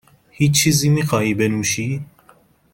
هیچ چیزی میخواهی بنوشی؟